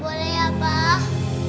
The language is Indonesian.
boleh ya pak